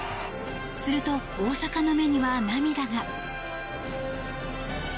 すると大坂の目には涙が。